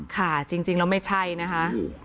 ค่ะจริงแล้วไม่ใช่นะคะ